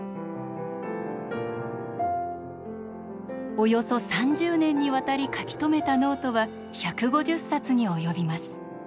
およそ３０年にわたり書き留めたノートは１５０冊に及びます。